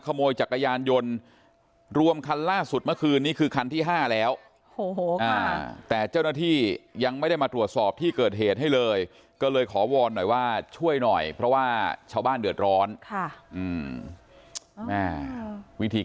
ขอวอลหน่อยว่าช่วยหน่อยเพราะว่าชาวบ้านเดือดร้อนค่ะแม่วิธี